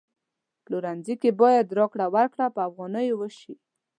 پلورنځي کی باید راکړه ورکړه په افغانیو وشي